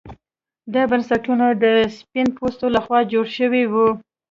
دا بنسټونه د سپین پوستو لخوا جوړ شوي وو.